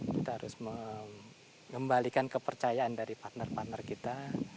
kita harus mengembalikan kepercayaan dari partner partner kita